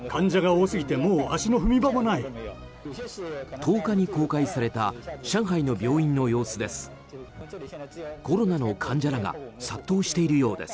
１０日に公開された上海の病院の様子です。